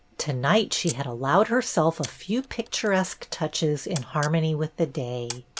To night she had allowed herself a few picturesque touches in harmony with the day.